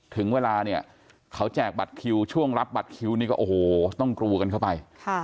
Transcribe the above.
ถึงเวลาเนี่ยเขาแจกบัตรคิวช่วงรับบัตรคิวนี่ก็โอ้โหต้องกรูกันเข้าไป